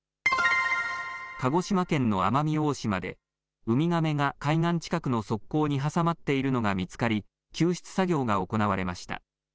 鹿児島県の奄美大島でウミガメが海岸近くの側溝に挟まっているのが見つかり救出作業が行われました。